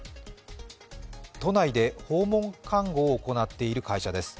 都内で訪問看護を行っている会社です。